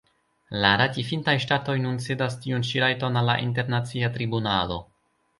La ratifintaj ŝtatoj nun cedas tiun ĉi rajton al la Internacia Tribunalo.